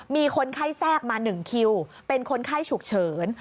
มีคนไข้แทรกมา๑คิวเป็นคนไข้ฉุกเฉิน